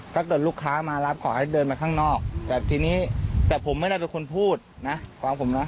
ลูกค้ามารับขอให้เดินมาข้างนอกแต่ทีนี้แต่ผมไม่ได้เป็นคนพูดนะความผมนะ